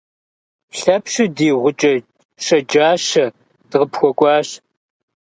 Лъэпщу ди гъукӏэ щэджащэ, дыкъыпхуэкӏуащ.